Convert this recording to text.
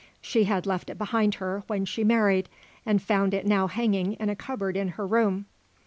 She had left it behind her when she married and found it now hanging in a cupboard in her room.